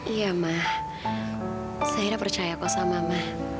iya ma zaira percaya kok sama mama